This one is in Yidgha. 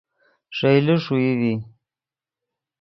ݰئیلے ݰوئی ڤی